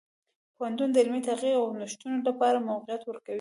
پوهنتون د علمي تحقیق او نوښتونو لپاره موقعیت ورکوي.